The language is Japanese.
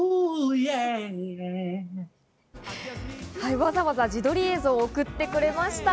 わざわざ自撮り映像を送ってくれました。